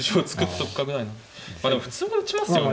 まあでも普通は打ちますよね。